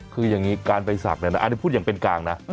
คือยังงี้การไปสาปเนี่ยนะอันนี้พูดอย่างเป็นกลางนะ